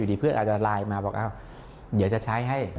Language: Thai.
ดีเพื่อนอาจจะไลน์มาบอกเดี๋ยวจะใช้ให้